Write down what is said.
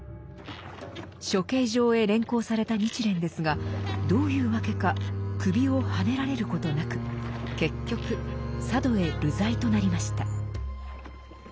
処刑場へ連行された日蓮ですがどういうわけか首をはねられることなく結局佐渡へ流罪となりました。